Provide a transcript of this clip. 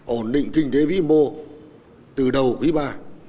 ổn định kinh tế vĩ mô từ đầu quý iii